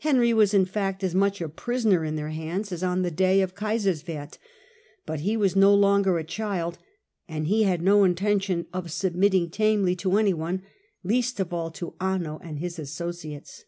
Henry was, in fact, as much a prisoner in their hands as on the day of Kaiserswerth ; but he was no longer a child, and he had no intention of submitting tamely to anyone, least of all to Anno and his associates.